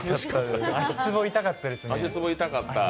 足つぼ、痛かったですね。